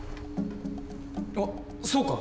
あっそうか。